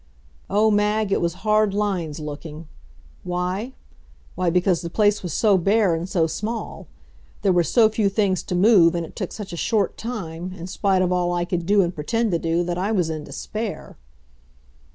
Oh, Mag, it was hard lines looking. Why? Why, because the place was so bare and so small. There were so few things to move and it took such a short time, in spite of all I could do and pretend to do, that I was in despair.